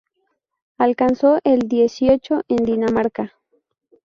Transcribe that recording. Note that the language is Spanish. Alcanzó el dieciocho en Dinamarca.